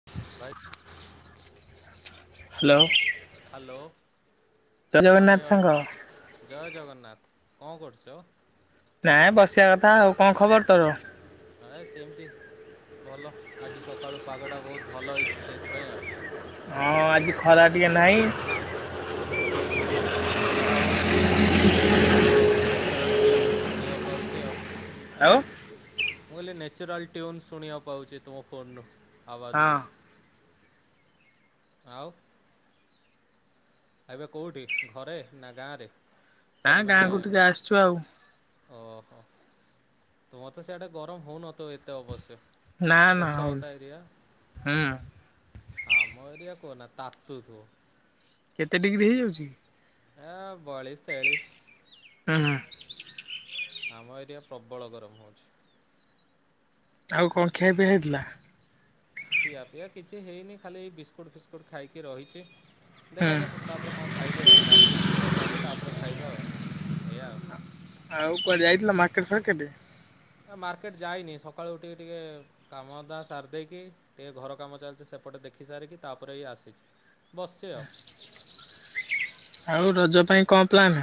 [inaudible] ଭାଇ hello. Hello ଜୟ ଆମେ ଜଗନ୍ନାଥ ଏ ସାଙ୍ଗ ଜୟ ଜଗନ୍ନାଥ କଣ କରୁଛ? ନାଇଁ ବସିବା କଥା ଆଉ କଣ ଖବର ତୋର? ଆ ସେମିତି ଭଲ ଆଜି ସକାଳୁ ପାଗଟା ବହୁତ୍ ଭଲ ହେଇଛି ସେଇଥିପାଇଁ ଆଉ। ହଁ ଆଜି ଖରା ଟିକେ ନାହିଁ ଓହୋ ଯା ହଉ ଫୋନ୍ ରେ ଭଲ ନ୍ୟଚୁରାଲ୍ ଟ୍ୟୁନ୍ ଶୁଣିବାକୁ ପାଉଛି ଆଉ। ଆଉ ମୁଁ କହିଲି ନ୍ୟାଚୁରାଲ୍ ଟ୍ୟୁନ୍ ଶୁଣିବାକୁ ପାଉଚି ତୁମ ଫୋନ୍ ରୁ। ଆବାଜ୍ ହଁ ରୁ ଆଉ ଏବେ କୋଉଠି ଘରେ ନା ଗାଁ ରେ? ନା ସରି ମାନେ ଗାଁକୁ ଟିକେ ଆସିଛୁ ଆଉ ଓହୋ ତ ମତେ ସେଆଡେ ଗରମ ହଉନଥିବ ଏତେ ଅବଶ୍ୟ। ନା ନା ଗଛ ହଉନି ଲତା ଏରିଆ। ହୁଁ ଆମ ଏରିଆ କୁହନା ତାତୁଥୁବ। କେତେ ଡିଗ୍ରୀ ହେଇଯାଉଚି କି? ଆ ବୟାଳିଶ ତେୟାଳିଶ୍। ହଁ ହୁଁ। ଆମ ଏରିଆ ପ୍ରବଳ ଗରମ ହଉଛି। ଆଉ କଣ ଖିଆ ପିଆ ହେଇଥିଲା? ଖିଆ ପିଆ କିଛି ହେଇନି ଖାଲି ଏଇ ବିସ୍କୁଟ ଫିସ୍କୁଟ ଖାଇକି ରହିଛି ହୁଁ ଦେଖାଯାଉ ତାପରେ କଣ ଖାଇବି ଆଉ ଗାଧଇ ପୂଜା ସାରେ ତାପରେ ଖାଇବା ଆଉ ଏଇଆ ଆଉ। ଆଉ କୁଆଡେ ଯାଇଥିଲ ମାର୍କେଟ ଫାର୍କେଟେ? ଆ ମାର୍କେଟ୍ ଯାଇନି ସକାଳୁ ଉଠିକି ଟିକେ କାମ ଧନ୍ଧା ସାରଦେଇକି। ଟିକେ ଘର କାମ ଚାଲଛି ସେପଟେ ଦେଖି ସାରିକି ତାପରେ ଏଇ ଆସିଛି। ବସେ ଆଉ। ଆଉ ରଜ ପାଇଁ କଣ ପ୍ଲାନ୍?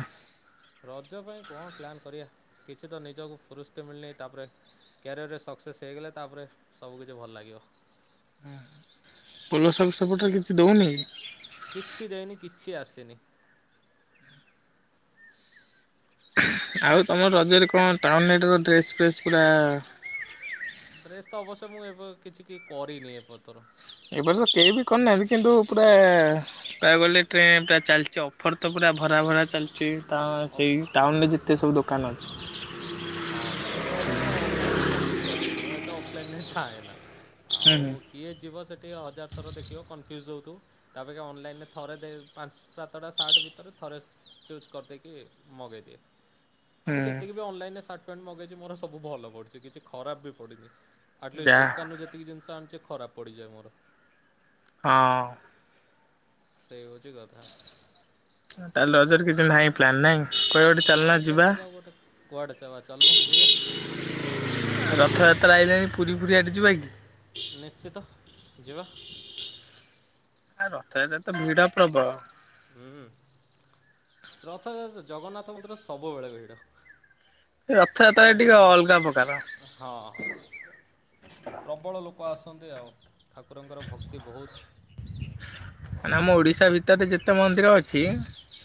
ରଜ ପାଇଁ କଣ ପ୍ଲାନ୍ କରିବା କିଛି ତ ନିଜକୁ ଫୁରୁସ୍ଟେ ମିଳୁନି ତାପରେ। କ୍ୟାରିଅରରେ ସକ୍ସେସ୍ ହେଇଗଲେ ତାପରେ ସବୁ କିିଛି ଭଲ ଲାଗିବ। ହୁଁ ପୋଲସଲ ସବୁ ସେପଟରେ କିଛି ଦଉନିକି? କିଛି ଦେଇନି କିଛି ଆସିନି। ଆଉ ତମ ରଜରେ କଣ ଟାଉନଟର ଡ୍ରେସ୍ ଫ୍ରେସ୍ ପୁରା। ଡ୍ରେସ୍ ତ ଅବଶ୍ୟ ମୁଁ ଏବେ କିଛି କି କରିନି ଏପଥର। ଏ ବର୍ଷ କେହି ବି କରିନାହାନ୍ତି କିନ୍ତୁ ପୁରା କହିବାକୁ ଗଲେ ଟ୍ରେଣ୍ଡ ଟା ଚାଲଛି ଆଉ। ଫର ତ ପୁରା ଭରା ଭରା ଚାଲଛି ତ ଅଫ୍ ସେଇ ଟାଉନ୍ରରେ ଯେତେ ସବୁ ଦୋକାନ ଅଛି। ହଁ ମୁଁ ଅବଶ୍ୟ ଅନଲାଇନରେ ସପିଙ୍ଗ କରେ ମୁଁ ଏତେ ଅଫଲାଇନରେ ଯାଏନା ହୁଁ ଆଉ। ହୁଁ। କିଏ ଯିବ ସେଠିକି ହଜାର ଥର ଦେଖିବ କନଫ୍ୟୁଜ୍ ହଉଥୁବ। ତାପକ୍ଷା ଅନଲାଇନ ରେ ଥରେ ଦେ ପାଞ୍ଚ ସାତଟା ସାର୍ଟ ଭିତରୁ ଥରେ। ଚୁଜ୍ କରିଦେଇକି ମଗେଇ ଦିଅ। ଆଉ ମୁଁ ଯେତିକି ହୁଁ ବି ଅନଲାଇନରେ ସାର୍ଟ ପ୍ୟାଣ୍ଟ ମଗେଇଚି ମୋର ସବୁ ଭଲ ପଡ଼ିଛି କିଛି ଖରାପ ବି ପଡିନି। ଆଟଲିଷ୍ଟ୍ ଯା ଦୋକାନରୁ ଯେତିକ ଜିନଷ ଆଣୁଚି ଖରାପ ପଡ଼ିଯାଏ ମୋର। ହଁ। ସେଇ ହଉଛି କଥା। ତା ତାଲେ ରଜର କିଛି ନାହିଁ ପ୍ଳାନ୍ ନାହିଁ? କୁଆଡ଼େ ଗୋଟେ ନା ଚାଲୁନ ଯିବା। ଦେଖାଯାଉ ଗୋଟେ କୁଆଡେ ଚଲବା ଚାଲନୁ କୁହ? ରଥଯାତ୍ରା ଆଇଲାଣି ପୁରୀ ଫୁରୀ ଆଡେ ଯିବା କି? ନିଶ୍ଚିିତ ଯିବା। ଆ ରଥଯାତ୍ରାରେ ତ ଭିଡ ପ୍ରବଳ। ହୁଁ ରଥଯା ଯେ ଜଗନ୍ନାଥ ମନ୍ଦିର ସବୁବେଳେ ଭିଡ। ରଥଯାତ୍ରାରେ ଟିକେ ଠାକୁରଙ୍କର ଭକ୍ ଅଲଗା ପ୍ରକାର ହଁ ହଁ। ପ୍ରବଳ ଲୋକ ଆସନ୍ତି ଆଉ ଠାକୁରଙ୍କର ଭକ୍ତି ବହୁତ୍। ମାନେ ଆମ ଓଡ଼ିଶା ଭିତରେ ଯେତେ ମନ୍ଦିର ଅଛି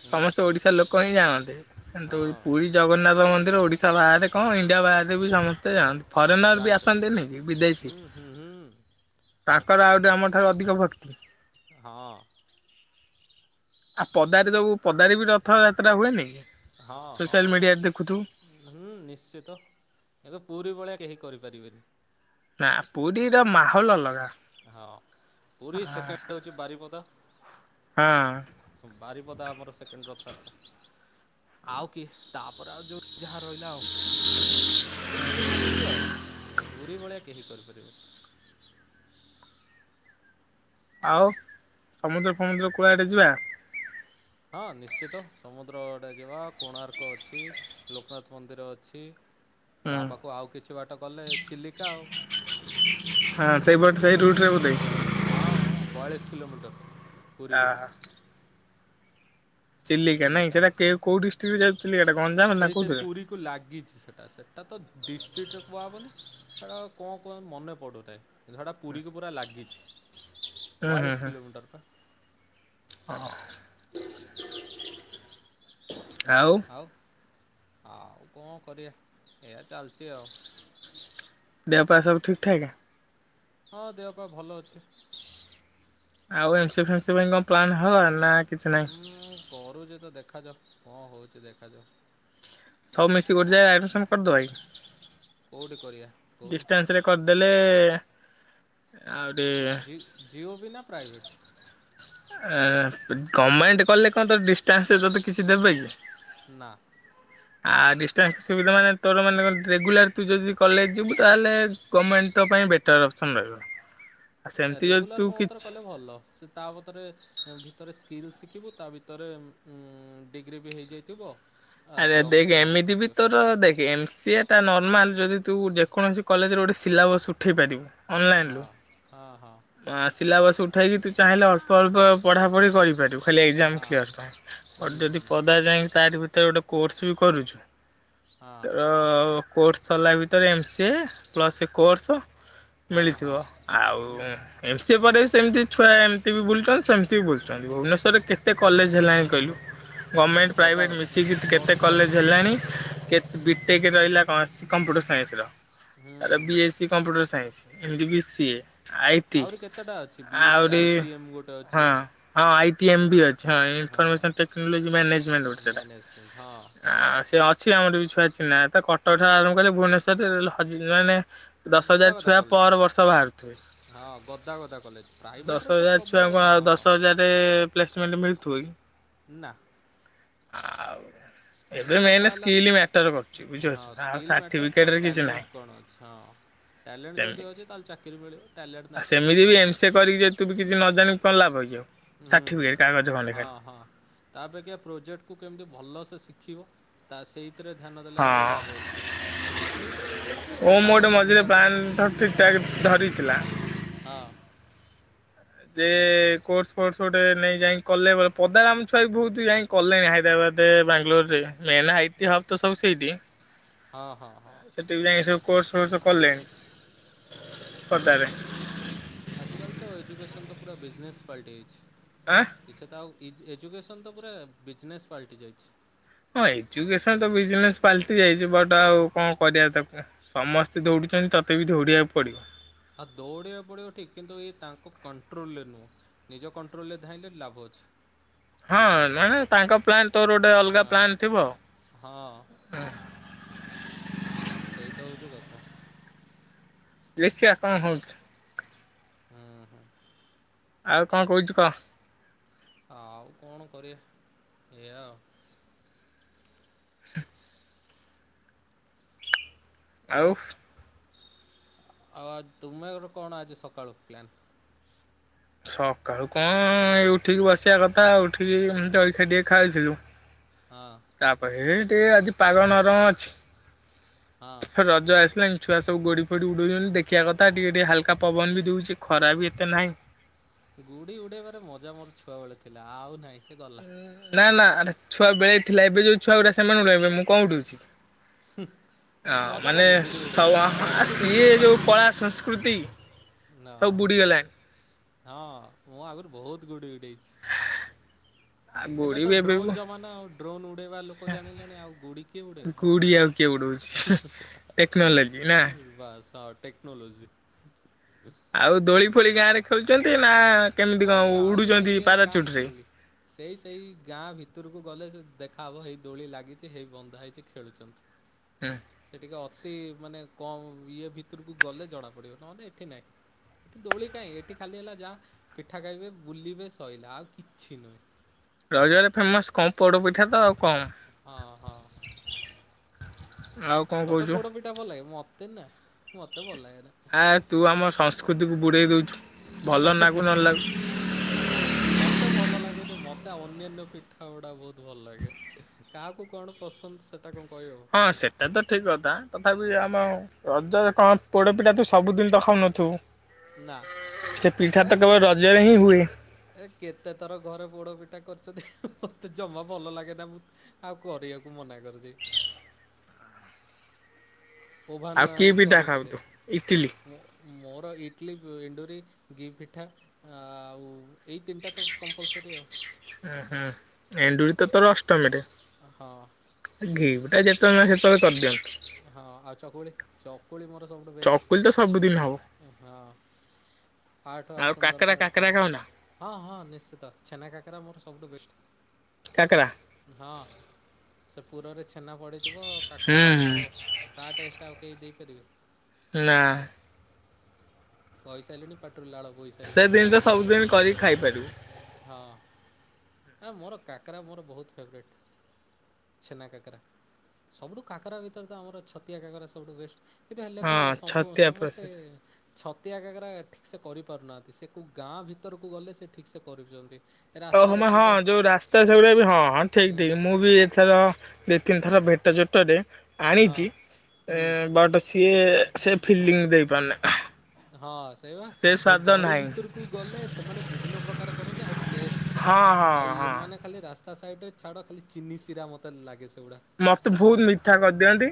ହୁଁ ସମସ୍ତେ ଓଡ଼ିଶାର ଲୋକ ହିଁ ଜାଣନ୍ତି। କିନ୍ତୁ ହଁ ପୁରୀ ଜଗନ୍ନାଥ ମନ୍ଦିର ଓଡିଶା ବାହାରେ କଣ ଇଣ୍ଡିଆ ବାହାରେ ବି ସମ ସ୍ତେ ଜାଣନ୍ତି ଫରେନର୍ ବି ଜାଣିଛନ୍ତି ଆସନ୍ତିନି କି ବିଦେଶୀ। ହୁଁ ହୁଁ ହୁଁ ତାଙ୍କର ଆଉ ଯେ ଆମଠାରୁ ଅଧିକ ଭକ୍ତି। ହଁ। ଆଉ ପଦାରେ ସବୁ ପଦାରେ ବି ରଥଯାତ୍ରା ହୁଏନି କି? ହଁ ହଁ। ସୋସିଆଲ ମିଡିଆରେ ଦେଖୁଥିବୁ ହୁଁ ନିଶ୍ଚିତ ଏବେ ପୁରୀ ଭଳିଆ କେହି କରିପାରିବେନି। ନା। ପୁରୀର ମାହୋଲ ଅଲଗା ହଁ ପୁରୀ ଆ। ସେକେଣ୍ଡ ହେଉଛି ବାରିପଦା ହଁ। ବାରିପଦା ଆମର ସେକେଣ୍ଡ୍ ରଥଯାତ୍ରା ଆଉ କିଏ ତାପରେ ଆଉ ଯୋଉ। ଯାହା ରହିଲା ଆଉ ତ ପୁରୀ ପୁରୀ ଆଉ ପୁରୀ ଭଳିଆ କେହି କରିପାରିବେନି ଆଉ ସମୁଦ୍ର ଫମୁଦ୍ର କୂଳା ଆଡେ ଯିବା ହଁ ନିଶ୍ଚିତ ସମୁଦ୍ର ଆଡେ ଯିବା କୋଣାର୍କ ଅଛି ଲୋକନାଥ ମନ୍ଦିର ଅଛି ହୁଁ ତା ପାଖକୁ ଆଉ କିଛି ବାଟ କଲେ ଚିଲିକା ଆଉ ହଁ ସେଇପଟ ସେଇ ରୁଟରେ ବୋଧେ ହଁ ହଁ ବୟାଳିଶ କିଲୋମିଟର ଆ ପୁରୀରୁ ହା ଚିଲିକା ନାଇଁ ସେଇଟା କେଉଁ କୋଉ ଡିଷ୍ଟ୍ର୍ଟରେ ଯାଉ ଚିଲାଟା ଗଞ୍ାମ ନା କଁଥିରେ କୁ ଲାଗିଛି ସେଟା ସେଟା ତ ଡିଷ୍ଟ୍ରିକ୍ଟରେ କୁହାହେବନି ହେଟା କୁ କଣ କୁହନ୍ତି ମନେ ପଡୁଥା ଟା ପୁରୀକୁ ପୁରା ଲାଗିଛି ହୁଁ ବୟାଳିଶ କିଲୋମିଟର ପା ହଁ ଆଉ ଆଉ ଆଉ କଣ କରିବା ଏଆ ଚାଲିଛି ଆଉ ଦେହପା ସବୁ ଠିକ ଠାକ ହଁ ଦେହ ପା ଭଲ ଅଛି। ଆଉ ଏମସି ଫେମ୍ସି ପାଇଁ କଣ ପ୍ଲାନ୍ ହବ ନା କିଛି ନହିଁ କରୁଛି ତ ଦେଖାଯାଉ କ ହଉଛି ଦେଖାଯାଉ ସବୁ ମିଶିକି ଗୋଟେ ଜାଗାରେ ଆଡମିଶନ୍ କରି ଦବାକି କୋଉଠି କରିବା କହୁନୁ ଡିଷ୍ଟଟାନ୍ସ ରେ କରିଦେଲେ ଆହୁରି ଜି ଜିଓ ବି ନା ପ୍ରାଇଭେଟ ଏ ଗଭର୍ଣମେଣ୍ଟ କଲେ କଣ ତତେ ଡିଷ୍ଟାନ୍ସ କିଛି ଦେବେ କି ନା [inaudible] ଆଉ ଡିଷ୍ଟାନ୍ସ ସୁବିଧା ମାନେ ତୋର ମାନେ ରେଗୁଲାର ତୁ ଯଦି କଲେଜ ଯିବୁ ତାହେଲେ ଗଭର୍ଣ୍ଣମେଣ୍ଟ ତ ପାଇଁ ବେଟ ଟର ଅଫସନ ରହିବ। ଆଉ ଆ ସେମିତି ଯଦି ତୁ ରେଗୁଲାର ମୋ ମତରେ କିଛି କଲେ ଭଲ ସେ ତା ମତରେ। ଭିତରେ ସ୍କିଲ୍ ଶିଖିବୁ ତା ଭିତରେ ଉ -ଡିଗ୍ରୀ ବି ହେଇଯାଇଥିବ। ଆ ଆରେ ଜବ୍ ଦେଖ ପାଇଁ ଏମିତି ବି ସିକ୍ୟୋର୍ ତୋର ଦେଖି ଏମସିଅ। ଟା ନର୍ମାଲ ଯଦି ତୁ ଯେକୌଣସି କଲେଜରେ ଗୋଟେ ସିଲାବସ୍ ଉଠେଇ ପାରିବୁ। ଅନଲାଇନରୁ। ହଁ ହଁ ହଁ ଆ ସିଲା ବସ ଉଠେଇକି ତୁ ଚାହିଁଲେ ଅଳ୍ପ ଅଳ୍ପ ପଢାପଢି କରିପାରିବୁ। ଖାଲି ଏକ୍ଜାମ ହଁ। କ୍ଲିୟର୍ ହୁଁ ପାଇଁ ଯଦି ହୁଁ ପଦା ଯାଇକି ତାରି ଭିତରେ ଗୋଟେ କୋର୍ସ ବି କରୁଛୁ। ହଁ ତୋର କୋର୍ସ ସରିଲା ଭିତରେ ଏମସିଏ ପ୍ଲସ୍ ଏଇ କୋର୍ସ। ହଁ ମିଳିଥିବ ଆଉ। ହଁ। ଏମ ସିିଏ ପରେ ବି ସେମିତି ଛୁଆ ଏମିତି ବି ବୁଲୁଛନ୍ତି ସେମିତି ବି ବୁଲୁଛନ୍ତି ଭୁବନେଶ୍ୱରରେ କେତେ କଲେଜ ହେଲାଣି କହିଲୁ। ହୁଁ ଗଭର୍ଣ୍ଣମେଣ୍ଟ ଗଦା ପ୍ରାଇଭେଟ ଗଦା ମିଶିକି କେତେ। ଗଦା କଲେଜ ଗଦା ହେଲାଣି କେତେ ହୁଁ ବିଟେକ ରହିଲା କୌଣସି କମ୍ପ୍ୟୁଟର ସାଇନ୍ସର। ହୁଁ ଆରେ ବି ହୁଁ। ଏସ୍ ସି କମ୍ପ୍ୟୁଟର ସାଇନ୍ସ ଏମିତି ବି ସି। ଟିଏ ଆଇଟି ଆହୁରି କେତେଟା ଅଛି ବି ଏସ୍ ସି ଆହୁରି ଆଇ ଟି ଏମ୍ ଗୋଟେ ହ ଅଛି ହଁ ଆଇ ଟି ଏ ମ୍ ବି ଅଛି ହଁ ହଁ। ଇନଫର୍ମେସନ୍ ଟେକ୍ନୋଲୋଜି ମ୍ୟାନେଜମେଣ୍ଟ ଗୋଟେ ସେଇଟା। ମ୍ୟାନେଜମେଣ୍ଟ ହଁ ଆ ସେ ଅଛି ଆମର ବି ଛୁଆ ଚିହ୍ନା କଟକ ଠାରୁ ଆରମ୍ଭ କଲେ ଭୁବନେଶ୍ୱର ଯେ ହଜି ମାନେ। ଦଶ ହଜାର ଗଦାଗଦା ଛୁଆ କଲେଜ। ପର ବର୍ଷ ବାହାରୁଥିବେ। ହଁ ଗଦାଗଦା କଲେଜ ପ୍ରାଇଭେଟରେ ଦଶ ତ ହଜାର ପ୍ରବଳ ଛୁଆଙ୍କୁ ଆଉ ହଁ ଦଶ ହଜାରରେ ପ୍ଲେସମେଣ୍ଟ ମିଳୁଥିବ କି। ନା। ଆଉ। ଏବେ ମେନ୍ କଥା ହେଲା ସ୍କିଲ୍ ମ୍ୟାଟର କରୁଛି ବୁଝିପାରୁଛୁ ହଁ ଆଉ ସ୍କିଲ୍ ମ୍ୟାଟର୍ ତ ସାର୍ଟିଫିକେଟରେ କିଛି ନାହିଁ। ଟ୍ୟାଲେଣ୍ଟ କଣ ଅଛି ହଁ। ଟ୍ୟାଲେଣ୍ଟ ଯଦି ସେମିତି ଅଛି ତାହେଲେ ଚାକିରି ମିଳିବ ଟ୍ୟାଲେଣ୍ଟ ଆଉ ନାହିଁ ତ ସେମିତି କିଛି ବି ନାହିଁ। ଏମ୍ ସି ଏ କରିକି ଯଦି ତୁ ବି କିଛି ନ ଜାଣିବୁ କଣ ଲାଭ କି ଆଉ? ହୁଁ ହୁଁ ସାର୍ଟିଫିକେଟ କାଗଜ ଖଣ୍ଡେ ହଁ ଖାଲି ହଁ। ତା ଅପେକ୍ଷା ପ୍ରୋଜେକ୍ଟକୁ କେମିତି ଭଲ ସେ ଶିଖିବ ତା ସେଇ ଏଥିରେ ଧ୍ୟାନ ଦେଲେ ଆହୁରି ଲାଭ ଅଛି। ଯେମିତି ଓମ୍ ତାଙ୍କ ଗୋଟେ ମଝିରେ ସାମ୍ନାରେ ପ୍ଲାନ୍ ହଁ। ଠିକ ଟାକ୍ ଧରିଥିଲା। ହଁ। ଯେ କୋର୍ସ ଫୋର୍ସ ଗୋଟେ ନେଇ ଯାଇ କଲେ ବ ପଦାର ଆମ ଛୁଆ ବି ବହୁତ ଯାଇ କଲେଣି ହାଇଦ୍ରାବାଦରେ ବାଙ୍ଗାଲୋର ରେ ମେଲ ଆଇଟି ହବ ତ ସବୁ ସେଇଠି। ହଁ ହଁ ହଁ। ଟିଭି ଯାଇ ସବୁ କୋର୍ସ ଫୋର୍ସ କଲେଣି ପଦାରେ। ଆଜିକାଲି ତ ଏଜୁକେସନ୍ ତ ପୁରା ବିଜନେସ୍ ପାଲଟି ଯାଇଛି। ଆ। କିଛି ତ ଆଉ ଏଯୁ ଏଜୁକେସନ୍ ତ ପୁରା ବିଜନେସ୍ ପାଲଟି ଯାଇଛି। ହଁ ଏଜୁକେସନ ତ ବିଜନେସ ପାଲଟି ଯାଇଛି ବଟ ଆଉ କଣ କରିବା ତାକୁ। ସମସ୍ତେ ଦୌଡ଼ୁଛନ୍ତି ତୋତେ ବି ଦୌଡ଼ିବାକୁ ପଡ଼ିବ। ଆଉ ଦୌଡ଼ିବା ପଡିବ ଠିକ କିନ୍ତୁ ଏଇ ତାଙ୍କୁ କଣ୍ଟ୍ରୋଲରେ ନୁହେଁ। ନିଜ କଣ୍ଟ୍ରୋଲରେ ଧାଇଁଲେ ଲାଭ ଅଛି। ହଁ ମାନେ ତାଙ୍କ ପ୍ଲାନ୍ ତୋର ଗୋଟେ ହଁ ଅଲଗା ହଁ ପ୍ଲାନ୍ ଥିବ। ହଁ। ସେଇ ତ ହଉଛି କଥା। ଦେଖିଆ କ ହଉଛି। ହୁଁ ହୁଁ। ଆଉ କଣ କହୁଛୁ କ? ଆଉ କଣ କରିଆ ଏୟା ଆଉ। ଆଉ ଆଉ ତୁମେର କଣ ଆଜି ସକାଳୁ ପ୍ଲାନ୍। ସକାଳୁ କଣ ଏ ଉଠିକି ବସିବା କଥା ଉଠିକି ଏମିତି ଜଳିଖାଆ ଟିକେ ଖାଇଥିଲୁ। ହଁ। ତାପରେ ହେ ଟିକେ ଆଜି ପାଗ ନରମ ହଁ ଅଛି ରଜ ଆସିଲାଣି। ଛୁଆ ସବୁ ଗୁଡ଼ିଫୁଡ଼ି ଉଡ଼ଉଛନ୍ତି ଦେଖିବା କଥା ଟିକେ ଟିକେ ହାଲକା ପବନ ବି ଦେଉଚି ଖରା ବି ଏତେ ନାହିଁ। ଗୁଡ଼ି ଉଡ଼େଇବାରେ ମଜା ମୋର ଛୁଆବେଳେ ଥିଲା ଆଉ ନାହିଁ ସେ ଗଲା। ନା ନା ଛୁଆ ବେଳେ ଥିଲା ଏବେ ଯୋଉ ଛୁଆ ଗୁଡା ସେମାନେ କହିବେ ମୁଁ କଣ ଉଡଉଚି। ହଁ ମଜା ମାନେ ଲାଗେ ଗୁଡ଼ି ଉଡ଼େଇବାରେ [unintelligible] ସିଏ କମ୍ପିଟିସନ୍ ଯୋଉ ଲାଗେ। କଳା ସଂସ୍କୃତି ସବୁ ହଁ ବୁ଼ଡି ଗଲାଣି। ହଁ ମୁଁ ଆଗରୁ ବହୁତ ଗୁଡି ଉଡେଇଛି। ଆଉ ଏବେ ଗୁଡି ତ ବି ଡ୍ରୋନ୍ ବି ଜମାନା ଆଉ ଡ୍ରୋନ୍ ଉଡେଇବା ଲୋକ ଜାଣିଲେଣି ଆଉ ଗୁଡି କିଏ ଉଡେଇବ। ଗୁଡି ଆଉ କିଏ ଉଡଉଛି। ଟେକ୍ନୋଲୋଜି ନା। [unintelligible] ବାସ ହଁ ଟେକ୍ନୋଲଜି। ଆଉ ଦୋଳି ଫୋଳି ଗାଁ ରେ ଖେଳୁଛନ୍ତି ନା କେମିତି କଣ କାଇଁ ଆଉ ଉଡୁଛନ୍ତି ଏରିଆରେ ପାରାଚୁଟ କାଇଁ ରେ। ଦୋଳି? ସେଇ ସେଇ ଗାଁ ଭିତରକୁ ଗଲେ ସେ ଦେଖାହେବ ହେଇ ଦୋଳି ଲାଗିଛି ହେଇ ବନ୍ଧା ହେଇଛି ଖେଳୁଛନ୍ତି। ହୁଁ। ସେ ଟିକେ ଅତି ମାନେ କମ୍ ଇଏ ଭିତରକୁ ଗଲେ ଜଣାପଡ଼ିବ ନହେଲେ ଏଠି ନାହିଁ। ଏଠି ଦୋଳି କାଇଁ ଏଠି ଖାଲି ହେଲା ଯାହା ପିଠା ଖାଇବେ ବୁଲିବେ ସଇଲା ଆଉ କିଛି ନୁହେଁ। ରଜରେ ଫେମସ୍ କଣ ପୋଡ଼ପିଠା ତ ଆଉ କଣ? ହଁ ହଁ। ଆଉ କଣ ତତେ କହୁଛୁ ପୋଡ ପିଠା ଭଲ ଲାଗେ ମତେ ନା ମତେ ଭଲ ଲାଗେ ନାଁ। ଆ ତୁ ଆମ ସଂସ୍କୃତିକୁ ବୁଡ଼େଇ ଦେଉଚୁ ଭଲ ଲାଗୁ ନ ଲାଗୁ। ମତେ ଭଲ ଲାଗେନି ମତେ ଅନ୍ୟାନ୍ୟ ପିଠା ଗୁଡା ବହୁତ ଭଲ ଲାଗେ। କାହାକୁ କଣ ପସନ୍ଦ ସେଟା କଣ କହି ହବ। ହଁ ସେଟା ତ ଠିକ୍ କଥା ତଥାପି ଆମ ରଜ ରେ କଣ ପୋଡପିଠା ତୁ ସବୁଦିନ ତ ଖାଉନଥିବୁ। ନା। [unintelligible] ସେ ପିଠା ଏ ତ କେ କେବଳ ରଜରେ ହିଁ ହୁଏ। ଏ କେତେ ଥର ଘରେ ପୋଡ ପିଠା କରିଛନ୍ତି ମତେ ଜମା ଭଲ ଲାଗେ ନାଁ ମୁଁ। ଆଉ କରିବାକୁ ମନା କରୁଚି। ଆଉ ଓଭାନା କି ଆଣି ପିଠା ଖାଉ କରିଥିଲେ ତୁ ଇଟିଲି ମୁଁ। ମୋର ଇଟଲି ଏ ଏଣ୍ଡୁରି, ଗି ପିଠା ଆଉ, ଏଇ ତିନିଟା ତ କମ୍ପଲସରି ଆଉ। ହୁଁ ହୁଁ ଏଣ୍ଡୁରି ତ ତୋର ଅଷ୍ଟମୀରେ। ହଁ। ଗି ପିଠା ଯେତେବେଳେ ନାହିଁ ସେତେବେଳେ କରିଦିଅନ୍ତୁ। ହଁ ଆଉ ଚକୁଳି ଚକୁଳି ମୋର ସବୁଠୁ ଚକୁଳି ତ ସବୁଦିନ ହବ ବେଷ୍ଟ ହଁ। ୟାଠୁ ଆଉ ସୁନ୍ଦର କାକରା ଖାଇବା କାକରା କଣ ଖାଉନା ହଁ ହଁ ନିଶ୍ଚିତ ଛେନା କାକରା ମୋର ସବୁଠୁ ବେଷ୍ଟ। କାକରା। ହଁ ସେ ପୁରରେ ଛେନା ପଡ଼ିଥିବ ହୁଁ କାକରା ହବ ହୁଁ ଓହୋ। ତା ଟେଷ୍ଟ ଆଉ କେହି ଦେଇପାରିବେନି। ନାଁ। କହିସାଇଲେଣି ପାଟିରୁ ଲାଳ ସେ ବୋହିସାରିଲାଣି ଜିନିଷ ସବୁଦିନ କରିକି ଖାଇପାରିବୁ। ହଁ ଏ ମୋର କାକରା ମୋର ବହୁତ ଫେବରାଇଟ। ଛେନା କାକରା, ସବୁଠୁ କାକରା ଭିତରେ ତ ଆମର ଛତିଆ କାକରା ସବୁଠୁ ବେଷ୍ଟ। କିନ୍ତୁ ହେଲେ କଣ ହେଲା ହଁ ସବୁ ଛତିଆ ସମସ୍ତେ। ପ୍ରସାଦ ଛତିଆ କାକରା ଠିକ୍ ସେ କରିପାରୁନାହାଁନ୍ତି, ସେକଉ ଗାଁ ଭିତରକୁ ଗଲେ ସେ ଠିକ୍ ସେ କରୁଚନ୍ତି। ତ ହୁମା ହଁ ଯୋଉ ରାସ୍ତା ସେଗୁଡାକ ବି ହଁ ହଁ ଠିକ୍ ଠିକ୍ ମୁଁ ବି ଏଥର ଦି ତିନି ଥର ଭେଟ ଜୋଟରେ ହଁ ଆଣିଚି ଏ ହୁଁ ବଟ, ଇଏ ସେ ଫିଲିଙ୍ଗ ଦେଇପାରୁନାହିଁ। ହଁ ସେଇବା ଏ ଗଳି ନାହିଁ ଭିତରକୁ ଗଲେ ସେମାନେ ବିଭିନ୍ନ ପ୍ରକାର କରନ୍ତି ଆଉ, ଟେଷ୍ଟ ଥାଏ ହଁ ହଁ ଆଉ ଏ ହଁ ମାନେ ଖାଲି ରାସ୍ତା ସାଇଟିରେ ଛାଡ଼ ଖାଲି ଚିନି ଶିରା ମୋତେ ଲାଗେ ସେଗୁଡ଼ା। ମତେ ବହତ ମିଠା କରିଦିଅନ୍ତି,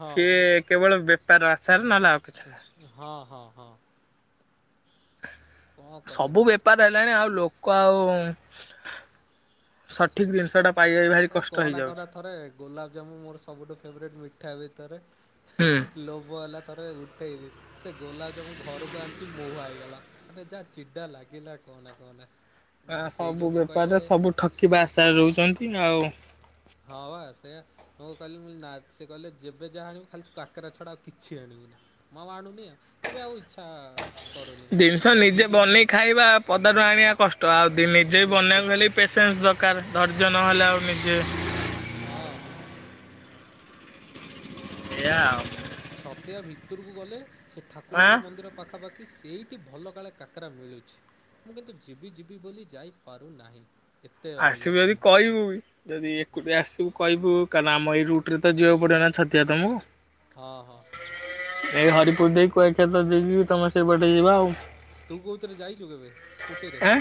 ହଁ ସିଏ କେବଳ ବେପାର ଆଶାରେ ନହେଲେ ଆଉ କିଛି ନାହିଁ। ହଁ ହଁ ହଁ। କଣ କହିବ? ସବୁ ବେପାର ହେଲାଣି ଆଉ ଲୋକ ଆଉ ସଠିକ ଜିନିଷ ଟା ପାଇବା ବି ଭାରି ଏ କଷ୍ଟ କହନା କହନା ହେଇଯାଉଛି। ଥରେ ଗୋଲାପଜାମୁ ମୋର ସବୁଠୁ ଫେବରାଇଟ ମିଠା ଭିତରେ, ହୁଁ। ଲୋଭ ହେଲା ଥରେ ଉଠେଇଲି ସେ ଗୋଲାପ ଜାମୁ ଘରକୁ ଆଣିଛି ମହୁହା ହେଇଗଲା। ମୋତେ ଯାହା ଚିଡା ଲାଗିଲା କହନା କହନା ଆ ସେଇ ସବୁ ଯୋଗୁ କହିଲେ ବେପାରରେ ସବୁ ଠକିବା ଆଶାରେ ରହୁଛନ୍ତି ଆଉ। ହଁ ବା ସେଇଆ। ମୁଁ କହିଲି ମୁଲି ନା ସେ କହିଲେ ଯେବେ ଯାହା ଆଣିବୁ ଖାଲି କାକେରା ଛଡା ଆଉ କିଛି ଆଣିବୁନି। ମହମ୍ ଆଣୁନି ଆଉ ମୁଁ ବି ଆଉ ଇଚ୍ଛା କରୁନି ସେ ଜିନିଷ ଯଦି ନିଜେ ଯିବି ବନେଇ ଖାଇବା ହଁ ପଦାରୁଆଣିବା କଷ୍ଟ ଆଉ ଦି ନିଜେ ନିଶ୍ଚିତ ବନେଇବାକୁ ହେଲେ ପେସେନ୍ସ ଦରକାର ଧୈର୍ଯ୍ୟ ନହେଲେ ଆଉ ନିଜେ ହଁ ହଁ। ଏଇଆ ଏୟା ଆଉ ଛତିଆ ଭିତରକୁ ଗଲେ ସେ ଆଁ ଠାକୁରଙ୍କ ମନ୍ଦିର ପାଖାପାଖି କି ସେଇଠି ଭଲ କାଳେ କାକରା ମିଳୁଚି। ମୁଁ କିନ୍ତୁ ଯିବି ଯିବି ବୋଲି ଯାଇପାରୁନାହିଁ। ଏତେ ଆସିବୁ ଅନଲକି ଯଦି ମୁଁ। କହିବୁ। ଯଦି ଏକୁଟିିଆ ଆସିବୁ କହିବୁ କାରଣ ଆମ ଏଇ ରୁଟ୍ ତ ଯିବାକୁ ପଡ଼ିବ ନା ଛତିଆ ତମକୁ। ହଁ ହଁ। ଏଇ ହରିପୁର ଦେଇ କୁଆଖିଇତ ଦେଇକି ତମ ସେଇପଟେ ଯିବ ଆଉ। ତୁ କଉଥିରେ ଯାଇଚୁ କେବେ ସ୍କୁଟିରେ ଆଁ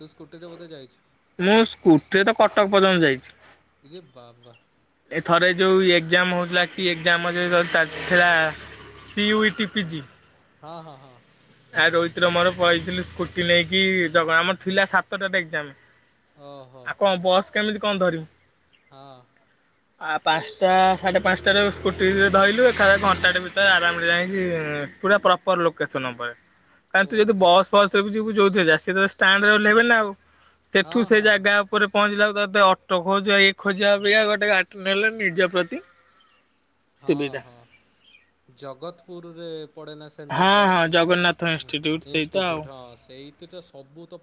ତୁ ସ୍କୁଟିରେ ବୋଧେ ଯାଇଚୁ? ମୁଁ ସ୍କୁଟିରେ ତ କଟକ ପର୍ଯ୍ୟନ୍ତ ଯାଇଚି। ଇରେ ବାବା ଏ ଥରେ ଯୋଉ ଏକ୍ଜାମ ହଉଥିଲା କି ଏକ୍ଜାମ ଯୁ ଚାଲିଥିଲା C U T P G ହଁ ହଁ ହଁ। ଆ ରୋହିତ ର ମୋର ପଳେଥିଲୁ ସ୍କୁଟି ନେଇକି ଜଗ ଆମର ଥିଲା ସାତଟା ରେ ଏକ୍ଜାମ୍ ଓହୋ। ଆଉ କଁ ବସ୍ କେମିତି କଁ ଧରିବି? ହଁ। [unintelligible] ଆ ପାଞ୍ଚଟା ସାଢ଼େ ପାଞ୍ଚଟାରୁ ସ୍କୁଟି ଧଇଲୁ ଏକା ଘଣ୍ଟାଟେ ଭିତରେ ଆରାମରେ ଯାଇକି ପୁରା ପ୍ର ପର ଲୋକେସନ ଉପରେ କାରଣ ତୁ ଯଦି ଓହୋ ବସ୍ ଫସ୍ ଯିବୁ ଯୋଉଥିରେ ତ ଷ୍ଟାଣ୍ଡ ରେ ଓହ୍ଲେଇବେ ନା ଆଉ ସେଠୁ ହଁ ସେ ହଁ ହଁ ଜାଗା ଉପରେ ପହଞ୍ଚିଲାକୁ ତତେ ଅଟୋ ଖୋଜ ଇ ଖୋଜିବା ଅପେକ୍ଷା ପାଇଁ ଗୋଟେ ଗାଡିଟେ ନେଇଗଲେ ନିଜ ପ୍ରତି ହଁ ସୁବିଧା। ହଁ ଜଗତପୁରୁରେ ପଡେନା ସେ ହଁ ସେଣ୍ଟର ତାର ହଁ ଜଗନ୍ନାଥ ଇନଷ୍ଟିଚ୍ୟୁଟ୍ ସେଇତ ଆଉ। ଇଷ୍ଟିଚିଟୁ ହଁ ସେଇତି ତ ସବୁ ତ